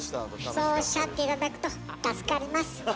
そうおっしゃって頂くと助かります。